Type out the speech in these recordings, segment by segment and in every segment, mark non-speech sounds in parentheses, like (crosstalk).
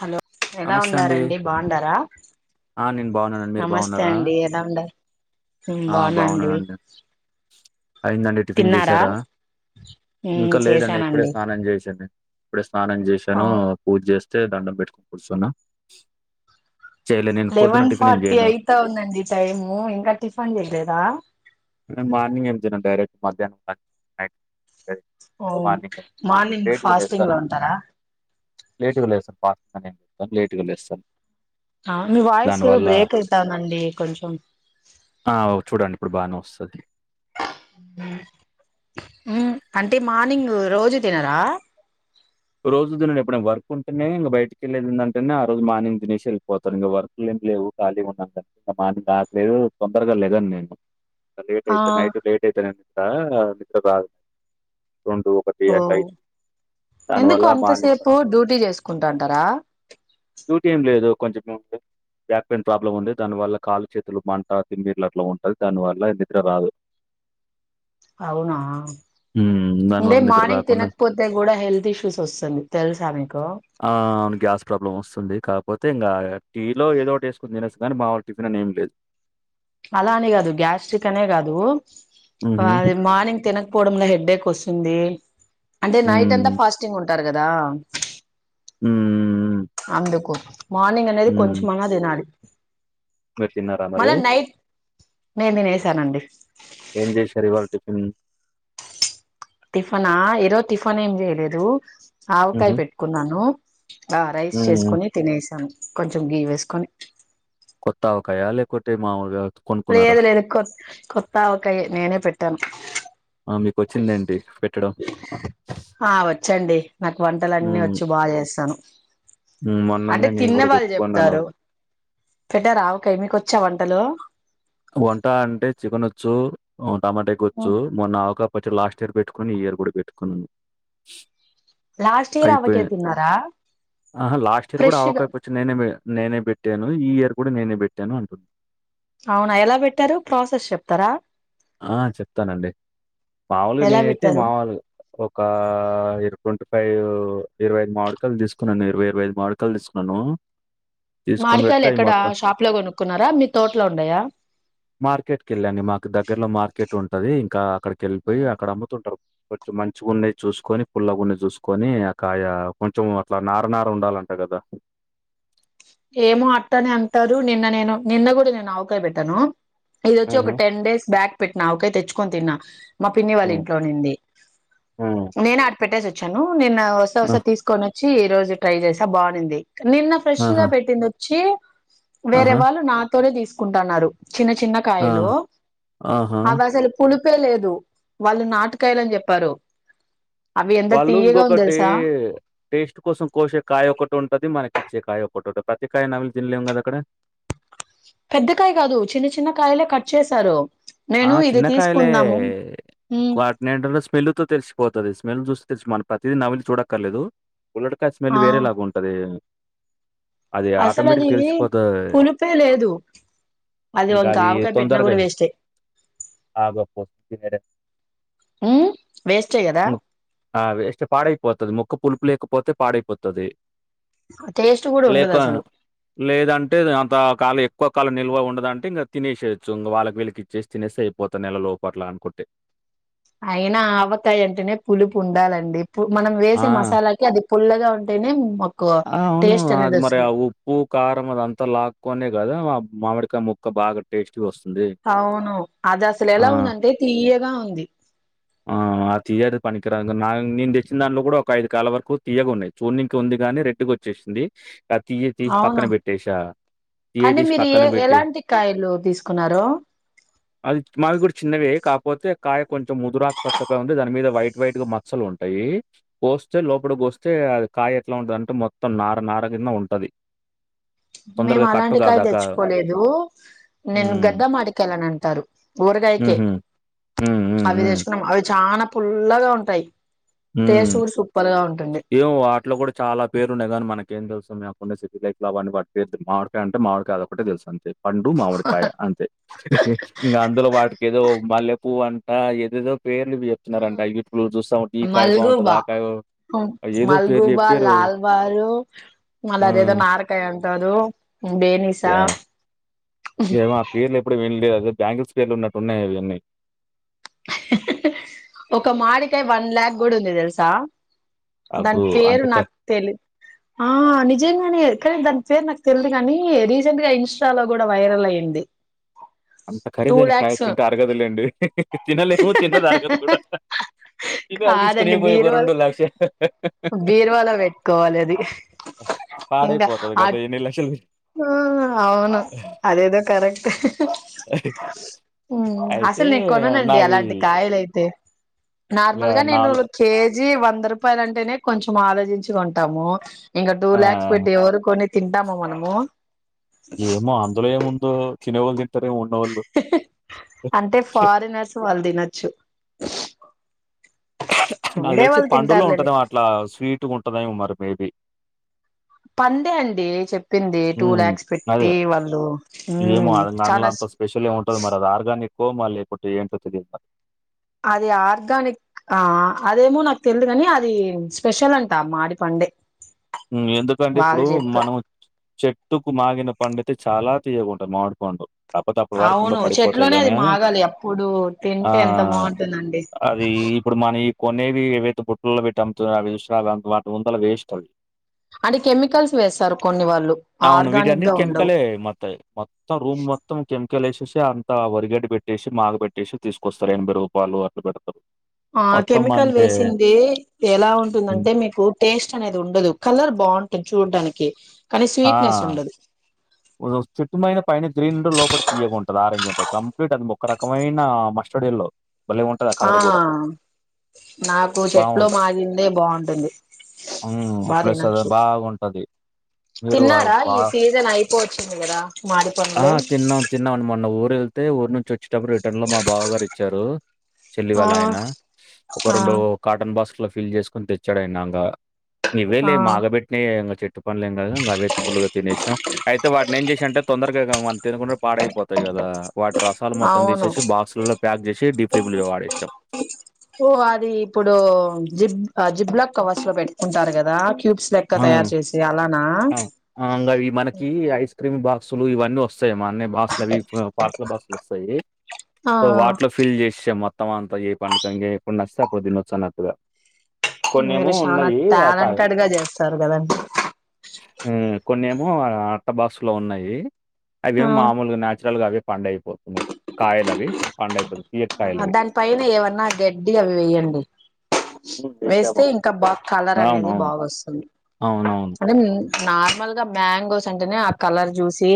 Hello ఎలా నమస్తే అండి. ఉండారంండి బాగుండారా ఆ! నేను బాగున్నానండి. మీరు నమస్తే బాగున్నారా? అండి ఎలా ఉండ ఆ బాగున్నానండి అయిందండి టిఫిన్ తిన్నారా చేసారా ఇంకా ఉమ్ లేదండి ఇప్పుడే చేశానండి స్నానం చేసండి ఇప్పుడే స్నానం చేసాను పూజ చేస్తే దండం పెట్టుకొని కూర్చును లెవెన్ ఫార్టీ అయిత ఉందండి టైము ఇంకా టిఫిన్ చేయలేదా మార్నింగ్ ఎం డైరెక్ట్ మధ్యాహ్నం నైట్ సర ఓ మార్నింగ్ మార్నింగ్ లేటుగా లే ఫాస్టింగ్ సన్ లో ఉంటారా టుగా లే సన్ పా అ లేట్గాళస్తాను ఆ మీ వాయిస్ బ్రేక్ అవుతానండి కొంచెం ఆ చూడండి ఇప్పుడు బానే వస్తుంది అంటే మార్నింగ్ రోజు తినరా రోజు తిన ఎప్పుైనా వర్క్ ఉంటే ఇకా బయటకి వెళ్లేదు ఏంటే ఆ రోజు మార్నింగ్ తినేసి వెళ్ళిపోతారు ఇంక వర్క్ లే లేవు ఖాళీ ఉన్నాం క ఇంకా మాది నాకు లేదు తొందరగా లేదడి నేను లేట్ ఆ యితే నైట్ లేట్ అయితే న మంతా మిత్ర బా రడు ఒకటి ఓ ఏట్యి ఎందుకు అంతసేపు డ్యూటీ చేసుకుంటుంటారా డ్యూటీ టీ ఏం లేదు కొంచెం ఏముంది బ్యాక్ పెయిన్ ప్రాబ్లమ్ ఉంది దానివల్ల కాళ్లు చేతులు మంట తిమ్మీర్లు అట్లా ఉంటుంది దానివల్ల ఎ దగర రాదు (unintelligible) అవునా హ్మ్. అంటే దానివల్ల నిద్ర మార్నింగ్ రాకుండా తినకపోతే కూడా హెల్త్ ఇష్యూస్ వస్తుంది తెలుసా మీకు ఆ అవును గ్యాస్ ప్రాబ్లం వస్తుంది కాకపోతే ఇంకా టీ లో ఏదో వేసుకుొని తినసు కానీ మా వాళ్ళ టిఫిన్ అని ఏం లేదు అలా అని కాదు గ్యాస్ట్రిక్ అనే కాదు హుహు. అ మార్నింగ్ తెన పోవడంలో హెడ్ేక్ వస్తుంది అంటే నైట్ హ్మ్. అంతా హ్మ్. ఫాస్టింగ్ ఉంటారు కదా హ అందుకో మార్నింగ్ అనేది కొంచమ తినాలి మీరు తిన్నారా మరి మళ్ళా నైట్ నేను తినసానండి ఏం చేయరు టిఫిన్ టిిఫనా ఇరో టిిఫన్ ఏం చేయలేదు ఆవకాయ హుహు. పెట్టుకున్నాను ఆ రైస్ హ్మ్. చేసుకుొని తినేసాను కొంచెం గీయ వేసుకొని కొత్తాకాయాలే కొత్త మాఊగా లేదు లేదు కొ కొత్తాక నేనే పెట్టాను ఆ! మీకొచ్చిందేంటి పెట్టడం? ఆ వచ్చండి నాకు వంటల అన్నీ హ్మ్. వచ్చి బాగా చేస్తాను హ్మ్. అంటే మొన్ననే నేను తిన్న గూడా వాళ్ళు పెట్టుకున్నాను. చెప్తారు పెటా ఆకాయ మీకొచ్చా వంటలు వంట అంటే చికెన్ వచ్చు టమాటా ఎక్కవచ్చు మొవ క వచ్చి లాస్ట్ ఇయర్ పెట్టుకొని ఈ ఇయర్ కూడా పెట్టుకున్నా లాస్ట్ ఇయర్ ఆవకే తన్నారా ఆ లాస్ట్ ఇయర్ కూడా ఆవకాయ్ వచ్చి నేనే నేనే బట్టేను ఈ ఇయర్ కూడా నేనే పెట్టాను అంటును అవునా ఎలా పెట్టారు ప్రాసెస్ చెప్తారా ఆ చెప్తానండి మాములుగా ఎలా నేనైతే పెట్టారు మామూలుగా ఒక ఇరుకం ఇరవై ఐదు మాడకాలు తీసుకున్నాను ఇరవై ఇరవై ఐదు మాడుకాలు తీసుకున్నాను తీసుకొని మాడికాయలు పెడితే అయి ఎక్కడ మొత్తం షాప్ లో కొనుక్కున్నారా మీ తోటలో ఉండయా మార్కెట్కి వెళ్ళాండి మాకు దగ్గరలో మార్కెట్ ఉంటది ఇంకా అక్కడికి వెళ్ళిపోయి ఉమ్. అక్కడ అమ్ముతుంటారు కొంచెం మంచి గుండె చూసుకొని పుల్ల గుండె చూసుకొని ఆ కాయ కొంచెం అట్లా నార నార్ ఉండాలంట కదా ఏమో అట్ట అని అంటారు నిన్న నేను నిన్న కూడా నేను ఆవకాయ పెట్టాను ఇది వచ్చి ఒక హుహు. టెన్ డేస్ బ్యాక్ పెట్టినా ఒకకే తెచ్చుకొని తిన్నా మా పిన్ని వాళ్ళ హ్మ్. ఇంట్లోనింది హ్మ్. నేను ఆట పెట్టేసి వచ్చాను నేన్న వస్తా ఆ! వస్తా తీసుకొని వచ్చి ఈ రోజు ట్రై చేసా బాగునింది నిన్న ఫ్రెష్ గా ఆహా! పెట్టింది వచ్చి వేరే ఆహా! వాళ్ళు నాతోనే తీసుకుంటున్నారు చిన్న చిన్న ఆ! కాయలు ఆహా! అవి అసలు పులు లేదు వాళ్ళు నాటకాయలుని చెప్పారు అవి ఎంత వాళ్ళు తీయగా ఉంది ఇంకొకటి తెలుసా టేస్ట్ కోసం కోసే కాయ ఒకక్కటి ఉంటది మనకిచ్చే కాయ ఒకటి ఫటోట కతికాయ నవల్ జిల్లేం కదా అక్కడ పెద్దకాయ కాదు చిన్న చిన్న కాయలే కట్ చేసారు ఆ చిన్నకాయలే ఉమ్ కటినేలో స్మెల్ తో తెలిసిపోతుది స్మెల్ చూస్తు తెలుసు మన ప్రతిదీ నవలి చూడక్కర్లేదు ఉల్లటకాయ స్మెల్ ఆ వేరే లాగా ఉంటది అది అసలు ఆటోమేటిక్ అది తెలిసిపోతుది పులిపే లేదు అది ఇంకా గది ఆవకాయ పెట్టినా తొందరగా కూడా వేస్టే ఆగపోే ఉ వేస్ట్ కదా ఆ వేస్ట్ పాడైపోతుది ముొక్క పులుపు లేకపోతే పాడైపోతుది టేస్ట్ కూడా ఉండదు లేక అసలు లేదంటే అంత కాలు ఎ ఇక్కొక్కాలల్వ ఉండదంటే ఇం తినేయచ్చు ఇం వాళ్ళకిళ్ళకి చేసి తినేసైపోత నెల లో అట్ల అనుకుంటే అయినా ఆవకాయ అంటేనే పులుపు ఉండాలండి మనం ఆ! వేసే మసాలాకి అది పుల్లగా ఉంటేనే మొత్త ఆ అవును అది మరి ఆ ఉప్పు కారం అద అంతలాకనే కదా మామిడికా ముక్క బా టే అవును అది అసలు ఆ! ఎలా ఉందంటే తీయగా ఉంది ఆ ఆ తీయేది పనికిరా నే తెచ్చిన దాంలో కూడా ఒక ఐదు కాల వరకు తీయగా ఉన్నాయి చూర్నికి ఉంది కానీ రెడ్చ్చ వచ్చేసింది ఇ తీయ తీసి పక్కన పెట్టేసా కాని మీరు ఏ ఎలాంటి కాయలు తీసుకున్నారు అది మావి కూడా చిన్నవే కాపోతే కాయ కొంచెం ముదురా వైట్ వైట్ గా మచ్చలు ఉంటాయి పోస్తే లోపలి పోస్తే అది కాయ ఎట్లా ఉంటందింటే మొత్తం న ఆర కింద ఉంటది మేము తొందరగా కట్టు అలాంటికాయ గాదాక. తెచ్చుకోలేదు నేను హ్మ్. గద్ద మాటికెళ్ళని అంటారు కూరకాయకే హుహు. హ్మ్. హ్మ్. అవి హ్మ్. తెచ్చుకున్నాం అవి చాలనా పుల్లగా ఉంటాయి హ టేస్ట్ కూడా సూపర్ గా ఉంటుంది ఏమో వాటిలో కూడా చాలా పేరు ఉన్నగాని మనకి ఇ ఏం తెలుసందిేకుండా సిటీ ైక్ లా అ మాడికాయ అంట మాడికా అద ఒకటే తెలుసు అంతే పండు మామిడికాయ అంతే ఇంకా అందులో వాటికి ఏదో మల్లె పువ్ అంటా ఏదేదో పేర్లువి చెప్తున్నారంట యటూ చూస్తా ఉంట ఈ కాకాయ బాగుంటుంది మల్గుబా ఆ కాయ ఏదో పేరు మల్గుబా చెప్పారు. లాల్ బారు ఆ! అళదేదో నారకాయ ఉంటు తాడు ఏ ఏ పేర్లు ఎప్పుడు విళ్డి అద బ్యాం స్కేలు ఉన్నట్టున్నాయి అవన్నీ ఒక మాడికాయ వన్ ల్యాక్ కూడా ఉంది తెలుసా దాని అబ్బో! అంత పేరు క నాకు తెలిదు ఆ నిజంగానే కానీ దాని సార్ నాకు తెలిదు కానీ రీసెంట్ గా ఇన్స్టాలో కూడా వైరల్ అయ్యంది అంత ఖరీదైన కాయ తింటే అరగదులేండి తినలేము తిన్నది అరగదు కూడా తిని అరిగించుకొని కాదండి ఏమో బీరువా బీర్వాలో పెట్టుకోవాలి అది ఇంకా పాడైపోతది అ కదా! ఎన్ని లక్షలు అవును అదేదో కర అయితే అసలు నెట్ కొననండి నావి అలాంటి కాయలైతే ఇగ నార్మల్ గా నేను నాలో కేజీ వంద రూపాయల అంటేనే కొంచెం ఆలోచించు కొంటాము ఇంకా టూ లాక్స్ ఆహ్, పెట్టి ఎవరకని తింటాము మనము ఏమో అందులోయ ముందు తిన వ నితార ఉ అంటే ఫారినర్స్ వాళ్ళు తినొచ్చు నాకు ఉండే తెలిసి వాళ్ళు పండుల్లో తింటారులేండి ఉంటుదమ అట్లా స్వీట్గా ఉంటుంద మరి మేబీ పందే అండి చెప్ చెప్పింది టూ హ్మ్. లా్యాక్స్ అదే పెట్టి వాళ్ళు హ ఏమో అది చాల కోోమాల కొట్టు ఏంటు తిగి మ అది ఆర్గానిక్ ఆ అదేమో నాకు తెలిదు కాని అది స్పెషల్ అంటా మాడి పండే ఎందుకంటే ఇప్పుడు వాళ్ళు చెప్ప మనం చెట్టుకు మాగిన పండుతే చాలా ఉంటారుట్కండు కాకపోతే అప్పుడు వరకుండ అవును పడిపోతేాయి చెట్లోనే గాని అది అని మాగాలి అప్పుడు ఆ తింటే ఎంత బాగుంటుందండి అది ఈ ఇప్పుడు మనం కొనేవి ఏవైతే పుట్టలో పెట్టి అమ్తున్నా అంత వాటి ముందు అలా వేస్ట్ అవి అంటే కెమికల్స్ వేస్తారు కొన్ని వాళ్ళు అవును ఆర్గానిక్ విర్యాని గా ఉండవు కెమికల్ మ మత్త రూమ్ మొత్తం కెమికల్ వేసి అంతా ఒరిగడ్ పెట్టేసి మాగ పెట్టేసి తీసుకొస్తారు ఎనభై రూపాలు అ పెడతారు ఆ మొత్తం కెమికల్ అంటే వేసింది ఎలా హ్మ్. ఉంటుందంటే మీకు టేస్ట్ అనేది ఉండదు కలర్ బాగుంటుంది చూడడానికి కానీ స్వీట్నెస్ ఉండదు చుట్టటుమైన పైన గ్రీన్ ఉంటే లోపల తీయగా ఉంటంది ఆరెంజ్ ఉంటుంది కంప్లీట్ అది ఒక రకమైన మ స్టడియల్లో ఆ నాకు చెట్లు మాగిందే బాగుంటుంది ఆ బాగా ప్లస్ అది తినొచ్చు బాగుంటది మీరు ఆహ్, తిన్నారా బా ఇగ సీజన్ అయిపోవచ్చింది కదా. మాడి ఆ పండ్లు తిన్నాం తిన్నాం అండి. మొన్న ఊరు వెళ్తే ఊరు నుంచి వచ్చేటప్పుడు రిటర్న్లో మా బావ గారు ఇచ్చారు. చెల్లి ఆ వాళ్ళ ఆయన. ఒక ఆ రెండు కాటన్ బాక్స్ ల ఫిల్ చేసుకుని తెచ్చాడు ఆయన ఇంగా. ఆ ఇవ్వేలే మాగబెట్టినయె ఇంగా చెట్టు పండ్లు ఎం కావు అవే ఫుల్లుగా తినేసాం. అయితే వాటిని ఏం చేసా అంటే తొందరగా మనం తినకుండా పాడయి తయి కదా. వాటి రసాలు మొత్తం అవును తీసేసి బాక్సలల్లా ప్యాక్ చేసి డీప్లిజ్ల పాడేసాం. ఓ అది ఇప్పుడు జిప్ జిప్లాక్ కవర్స్ లో పెట్టుకుంటారు కదా. క్యూబ్స్ లెక్క తయారు చేసి అలానా ఆ ఆ గవి మనకి ఐస్ క్రీమ్ బాక్సులు ఇవన్నీ వస్తు యి అన్ని బాక్స్ అవి పాత బాక్స్ లవి వస్తయి. ఆ సో వాటిలో ఫిల్ చేశా మొత్తం మొత్తం అంతా ఏ పండుగ ఇ ఎప్పుడు నచ్చితే అప్పుడు తినొచ్చు అన్నట్టుగా. కొన్నేమో ఉన్నయి ఆకాయ ఇలా చేస్తారు కదండి. కొన్ని ఏమో అట్ట బాక్స్ లో ఉన్నయి, అవేమో ఆ మామూలుగా నాచురల్ గా అవి పండు అయిపోతున్నయి. కాయల అవి పండు అయిపోతు ఆ దాని పైన ఏమన్నా గడ్డి అవి వేయండి. హ్మ్. వేస్తే వేసాము. ఇంకా బా కలర్ అనేది అవునవును. బాగా వస్తుంది. అవునవును. అంటే నార్మల్ గా మ్యాంగోస్ అంటనే ఆ కలర్ చూసి,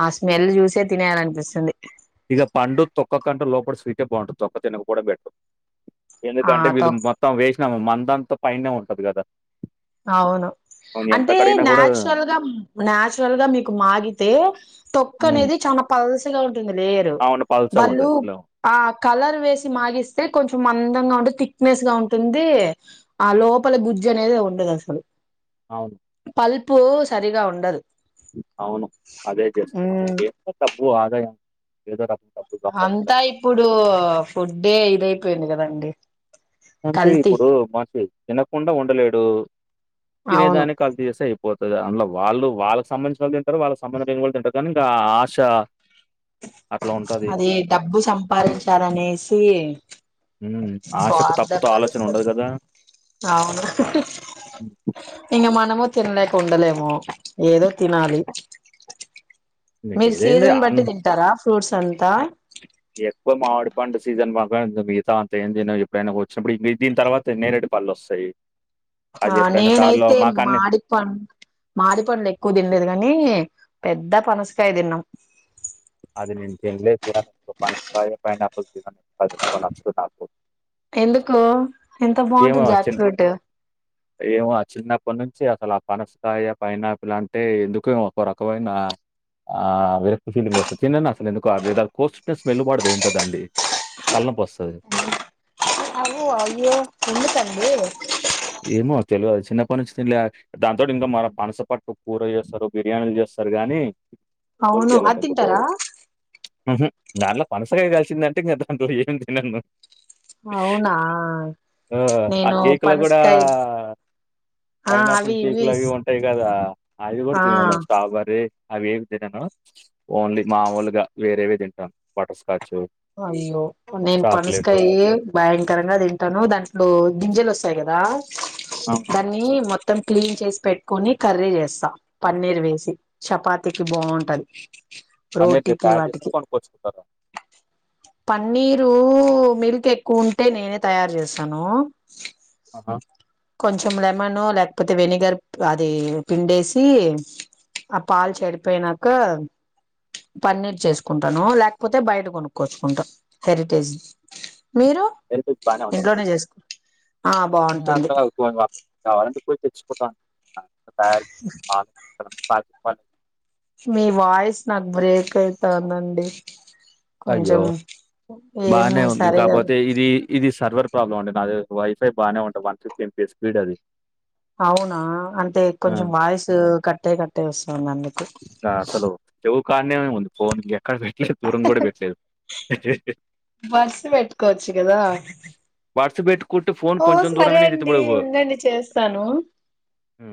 ఆ స్మెల్ చూసే తినేయాలనిపిస్తుంది. ఇగ పండు తొక్క కంటే లోపల స్వీటే బావుంటుంది. తొక్క తినక పోవుడే బెటరు. ఆ ఎందుకంటే తో వీళ్ళు మొత్తం వేసినా మందంతా పైనే ఉంటది కదా. అవును అంటే కడిగినా గూడా నాచురల్ గా నాచురల్ గా మీకు మాగితే తొక్క హ్మ్. అనేది చానా పల్స గాఉంటుంది లేయరు. అవును. వాళ్ళు పల్చగుంటది. లో ఆ కలర్ వేసి మాగిస్తే కొంచెం మందంగా ఉంటుంది, థిక్నెస్ గా ఉంటుంది. ఆ లోపల గుజ్జు అనేది ఉండదు అసలు. అవును పల్పు సరిగా ఉండదు. అవును అదే చేస్తారు. మ్మ్ ఏదో డబ్బు ఆదాయం ఏదో డబ్ అంతా ఇప్పుడు ఫుడ్డే ఇదయిపోయింది కదండి. అంతే కల్తీ ఇప్పుడు మనిషి తినకుండా ఉండలేడు. అవును తినేదాన్ని కల్తీ చేస్తే అయి పోతది. అందులో వాళ్ళు వాళ్ళకి సంబంధించినోళ్ళు తింటరు, వాళ్ళకు సంబంధం లేని వాళ్ళు తింటరు కానీ ఇంకా ఆశ అట్లా ఉంటది. అదే డబ్బు సంపాదించాలనేసి హ్మ్. ఆశకు తప్పుతో స్వార్థంగా (inaudible) ఆలోచన ఉండదు కదా! అవును ఇంగ మనము తినలేక ఉండలేము ఏదో తినాలి. మీకు మీరు ఏదైంది సీజన్ అన్ బట్టి తింటరా ఫ్రూట్స్ అంతా. ఎక్కువ మావిడి పండు సీజన్ బా (unintelligible) మిగతావి అంత ఎం తినం. ఎప్పుడైనా వచ్చినప్పుడు వి దీని తర్వాత నేరెడు పళ్ళు వస్తయి. ఆ నేనైతే మాడి పం మాడి పండ్లు ఎక్కువ తిన్లేదు కానీ. పెద్ద పనసకాయ తిన్నం. అది నేను తిన్లే తినా. పనసకాయ, పైనాపిల్ తినా. అది ఎందుకో నచ్చదు నాకు. ఎందుకు ఎంత ఏమో బాగుంటుంది జాక్ చిన్ ఫ్రూట్ ఏమో చిన్న ప్పటి నుంచి అసలు ఆ పనసకాయ, పైనాపిల్ అంటే ఎందుకో ఒక రకమైన ఆ విరక్తి ఫీలింగ్ వస్తది. చిన్ననాటి సుంది ఎందుకో అది కోస్తుంటే స్మెల్ పడదు ఏంటో దాన్ది. తలనొప్పి వస్తది. ఓ అయ్యో ఎందుకండి. ఏమో తెలవదు చిన్నప్పటి నుంచి తిన్లే. దాని తోటి ఇంకా మన పనస పట్టు కూర చేస్తరు. బిర్యానీలు చేస్తరు కానీ అవును కొనిపియలండి అది ఎందుకో తింటారా హుహ్ దానిలో పనసకాయ కలిసిందంటే ఇంగా దాంతో ఏమి తినను. అవునా ఆ! నేను పనస ఆ పైన్ ఆపిల్ అవి కేక్ ఇవి లాగే ఉంటాయి గదా, అవి గుడా ఆ తినను స్ట్రాబరీ. అవేవి తినను. ఓన్లీ మామూల్ గా వేరేవి తింటాను. Butter scotch. అయ్యో, నేను పనసుకాయ్ భయంకరంగా తింటాను. దాంట్లో గింజలోస్తాయి గదా, అవునవును. దాన్ని మొత్తం క్లీన్ చేసి పెట్టుకొని కర్రీ జేస్తా, పన్నీర్ వేసి. చపాతికి బావుంటది. పన్నీర్ ని తయారుచేస్తారా, కొనుకొచ్చుకుంటారా? పన్నీరు మిల్క్ ఎక్కువ ఉంటే, నేనే తయార్ జేస్తాను. ఆ. కొంచెం లెమను, లేకపోతే వెనిగర్ అది పిండేసి, ఆ పాల్ చెడిపోయ్ నాకా, పన్నీర్ చేసుకుంటాను. లేకపోతే బయట కొనుక్కోచ్చుకుంటా, హెరిటేజ్ మీరు హెరిటేజ్ బానే ఉంటది. ఇంట్లోనే జేస్క్, ఆ కానీ బాగుంటుంది. (unintelligible) కావాలంటే పోయి తెచ్చికుంటా. తయార్. (inaudible) పాకెట్ పాల్, మీ వాయిస్ నాక్, బ్రేక్ అవుతాందండి. అయ్యో, బానే ఉంది సరిగా కాకపోతే ఇది, ఇదిస్ సర్వర్ ప్రాబ్లం అండి. నాది వైఫై బాగానే ఉంటది. వన్ ఫిఫ్టీ ఎంపీ స్పీడ్ అది. అవునా, అంటే ఆ! కొంచెం వాయిసు కట్ అయి, కట్ అయి ఓస్తుంది అందుకు. ఇంకా అసలు, చెవు కాన్నే ఉంది పోన్ ఎక్కడ పెట్లేదు, దూరం గుడా పెట్లేదు. బర్డ్స్ బేట్టుకోవచ్చు గదా. బర్డ్స్ పెట్టుకుంటే ఫోన్ కొంచెం దూరమైన (unintelligible) పోద్. ఉండండి చేస్తాను ఉ.